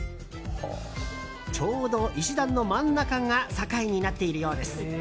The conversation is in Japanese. ちょうど石段の真ん中が境になっているようです。